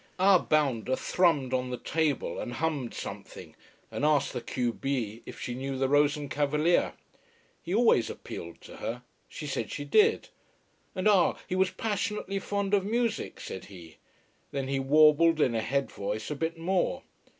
Our bounder thrummed on the table and hummed something, and asked the q b if she knew the Rosencavalier. He always appealed to her. She said she did. And ah, he was passionately fond of music, said he. Then he warbled, in a head voice, a bit more.